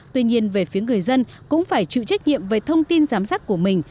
tuy nhiên về phía người dân cũng phải chịu trách nhiệm về thông tin giám sát của mình